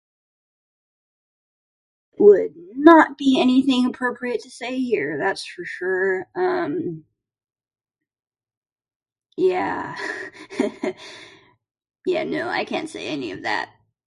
Would not be anything appropriate to say here, that's for sure. Um, yeah, yeah, no, I can't say any of that.